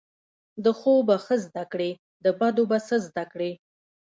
د ښو به ښه زده کړی، د بدو به څه زده کړی